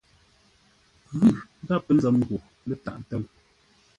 Ghʉ gháp pə́ nzəm ghô lə́ tâʼ ntə̂ʉ.